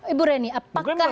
ibu reni apakah